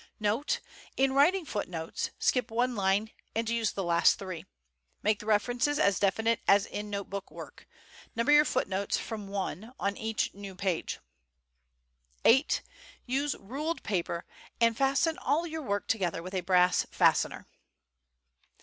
Note. In writing footnotes, skip one line and use the last three. Make the references as definite as in note book work. Number your footnotes from "1" on each new page. VIII. Use ruled paper and fasten all your work together with a brass fastener.